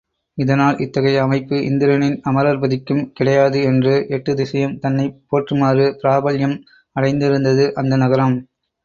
இதனால் இத்தகைய அமைப்பு இந்திரனின் அமரர்பதிக்கும் கிடையாது என்று எட்டுத்திசையும் தன்னைப் போற்றுமாறு பிராபல்யம் அடைந்திருந்தது அந்த நகரம்.